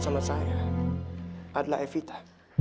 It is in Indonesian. sama saya adalah evita